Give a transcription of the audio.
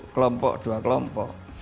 kelompok dua kelompok